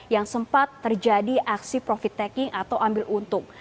yang sempat terjadi aksi profit taking atau ambil untung